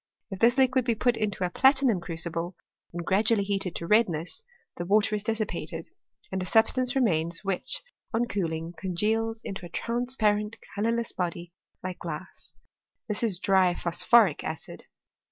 If this liquid be put into a platinum crucible, and gradually heated to redness, me water is dissipated, and a substance remains which, on cool ing, congeals into a transparent colourless body like glass : this is dry phosphoric acid.